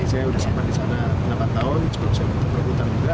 saya sudah sampai di sana selama empat tahun sebelum saya berputar juga